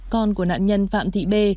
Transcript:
con của nạn nhân phạm thị bê